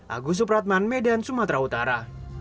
agus supratman medan sumatera utara